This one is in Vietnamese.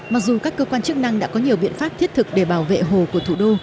mặc dù các cơ quan chức năng đã có nhiều biện pháp thiết thực để bảo vệ hồ của thủ đô